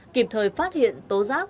kịp thời phát hiện tố giác